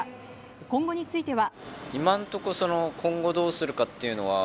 今後については。